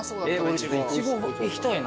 いちごいきたいな。